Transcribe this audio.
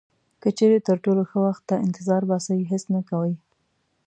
که چیرې تر ټولو ښه وخت ته انتظار باسئ هیڅ نه کوئ.